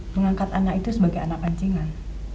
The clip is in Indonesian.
mengangkat anak itu sebagai anak pancingan